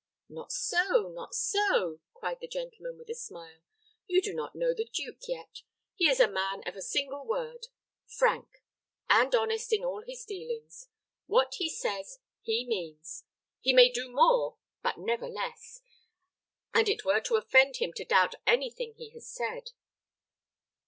"Not so, not so," cried the gentleman, with a smile. "You do not know the duke yet. He is a man of a single word: frank, and honest in all his dealings. What he says, he means. He may do more, but never less; and it were to offend him to doubt any thing he has said.